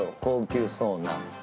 高級そうな。